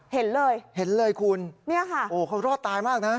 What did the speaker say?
เห็นเลยคุณโอ้โฮเขารอดตายมากนะ